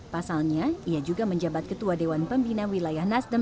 pasalnya ia juga menjabat ketua dewan pembina wilayah nasdem